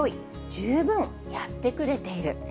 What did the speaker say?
十分やってくれている。